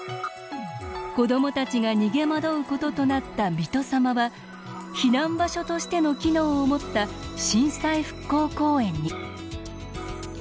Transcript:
子どもたちが逃げ惑うこととなった水戸様は避難場所としての機能を持った震災復興公園に。